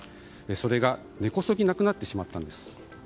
それが、根こそぎなくなってしまったんです。